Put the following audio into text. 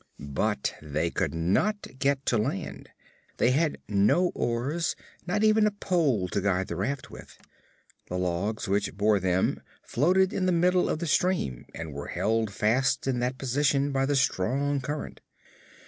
But they could not get to land. They had no oars, nor even a pole to guide the raft with. The logs which bore them floated in the middle of the stream and were held fast in that position by the strong current.